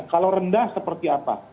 kalau rendah seperti apa